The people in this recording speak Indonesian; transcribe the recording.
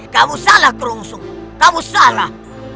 kamu salah kerungsung kamu salah